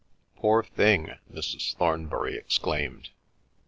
"Poor thing!" Mrs. Thornbury exclaimed.